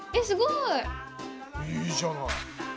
いいじゃない！